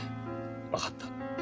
分かった。